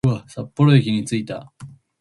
札幌駅に着いた